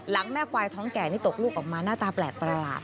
แม่ควายท้องแก่นี่ตกลูกออกมาหน้าตาแปลกประหลาด